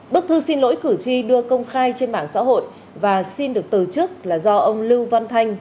bức thư xin lỗi cử tri đưa công khai trên mạng xã hội và xin được từ chức là do ông lưu văn thanh